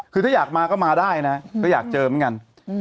คือถ้าอยากมาก็มาได้นะก็อยากเจอเหมือนกัน